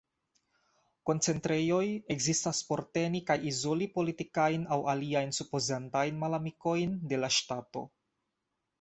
Koncentrejoj ekzistas por teni kaj izoli politikajn aŭ aliajn supozatajn malamikojn de la ŝtato.